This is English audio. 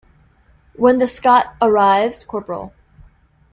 When the Scot arrives, Cpl.